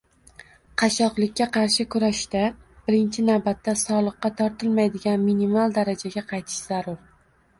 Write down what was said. Qashshoqlikka qarshi kurashda, birinchi navbatda, soliqqa tortilmaydigan minimal darajaga qaytish zarur